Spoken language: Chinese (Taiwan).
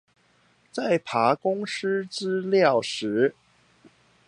在爬公司資料時